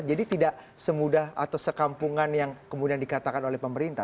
jadi tidak semudah atau sekampungan yang kemudian dikatakan oleh pemerintah